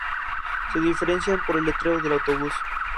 Se diferencian por el letrero del autobús.